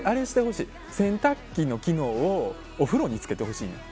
洗濯機の機能をお風呂につけてほしいの。